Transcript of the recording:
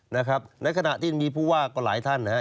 ในขณะที่มีผู้ว่าก็หลายท่านนะฮะ